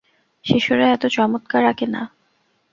শিশুরা এত চমৎকার আঁকে না।